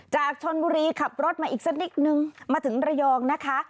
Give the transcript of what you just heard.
จากชนบุรีขับรถมาอีกสักนิดนึงมาถึงระยองนะคะ